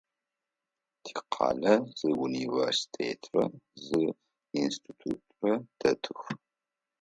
Тикъалэ зы университетрэ зы институтрэ дэтых.